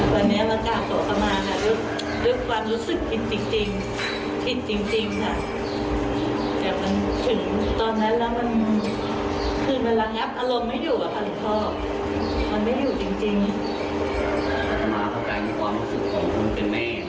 วันนี้มันกล้าสวะมากด้วยความรู้สึกผิดจริง